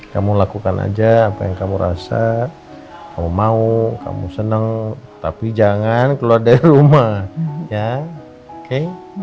kamu lakukan aja apa yang kamu rasa kamu mau kamu seneng tapi jangan keluar dari rumah ya oke